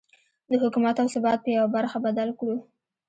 د حکومت او ثبات په يوه برخه بدل کړو.